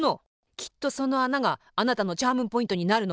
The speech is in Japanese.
きっとそのあながあなたのチャームポイントになるの。